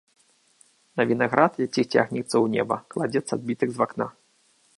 На вінаград, які цягнецца ў неба, кладзецца адбітак з вакна.